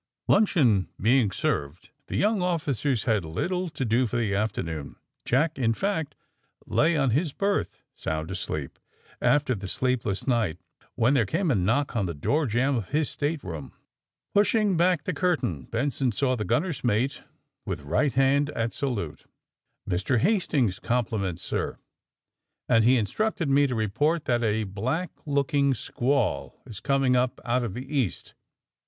Luncheon being served, the young officers had little to do for the afternoon. Jack, in fact, lay on his berth, sound asleep, after the sleepless night, when there came a knock on the door jamb of his stateroom. Pushing back the curtain Benson saw the gunner's mate with right hand at salute. ^^Mr. Hastings's compliments, sir, and he in structed me to report that a black looking squall is coming up out of the east.